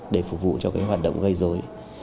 để phục vụ cho cái hoạt động gây dối